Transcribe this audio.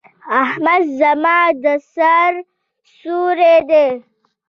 احمد زما د سر سيور دی.